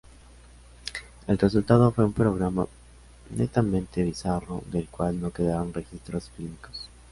El resultado fue un programa netamente bizarro del cual no quedaron registros fílmicos.